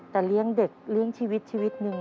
แต่เลี้ยงเด็กเลี้ยงชีวิตชีวิตหนึ่ง